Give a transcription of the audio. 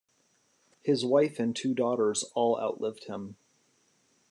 His wife and two daughters all outlived him.